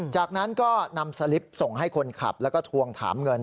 จากนั้นก็นำสลิปส่งให้คนขับแล้วก็ทวงถามเงิน